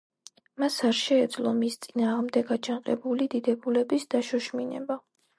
მას არ შეეძლო მის წინააღმდეგ აჯანყებული დიდებულების დაშოშმინება.